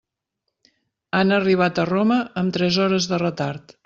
Han arribat a Roma amb tres hores de retard.